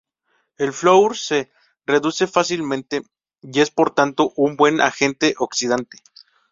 El flúor se reduce fácilmente y es por tanto un buen agente oxidante.